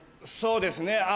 そうですね